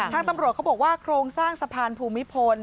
ทางตำรวจเขาบอกว่าโครงสร้างสะพานภูมิพล